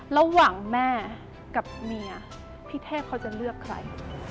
ระหว่างแม่กับเมียพี่เทพเขาจะเลือกใคร